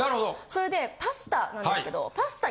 それでパスタなんですけど。